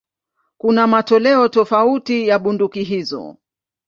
Kuna matoleo tofauti ya bunduki hizo.